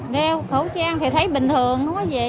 đeo khẩu trang thì thấy bình thường